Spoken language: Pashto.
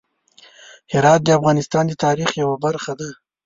هرات د افغانانو د تاریخ یوه برخه ده.